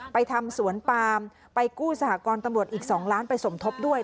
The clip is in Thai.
ไปทำสวนปามไปกู้สหกรณ์ตำรวจอีก๒ล้านไปสมทบด้วย